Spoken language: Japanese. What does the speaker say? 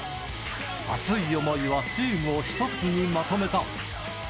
熱い思いはチームを一つにまとめた。